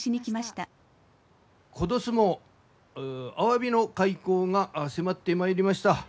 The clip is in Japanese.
今年もアワビの開口が迫ってまいりました。